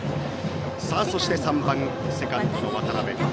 そして３番、セカンドの渡邊。